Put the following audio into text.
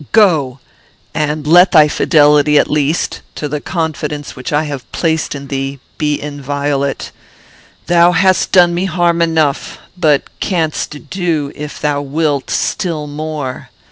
Go; and let thy fidelity, at least, to the confidence which I have placed in thee, be inviolate. Thou hast done me harm enough, but canst do, if thou wilt, still more.